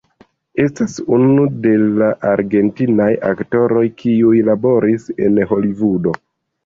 Estas unu de la argentinaj aktoroj kiuj laboris en Holivudo.